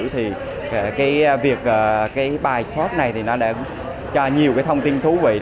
thì cái việc cái bài talk này thì nó đã cho nhiều cái thông tin thú vị